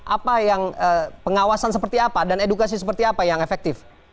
apa yang pengawasan seperti apa dan edukasi seperti apa yang efektif